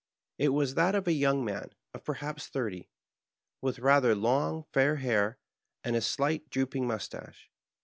It was that of a young man of perhaps thirty, with rather long, fair hair, and a slight, drooping mus tache.